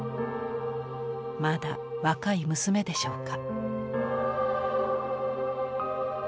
まだ若い娘でしょうか。